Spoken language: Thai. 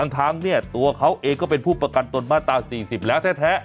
ทั้งเนี่ยตัวเขาเองก็เป็นผู้ประกันตนมาตรา๔๐แล้วแท้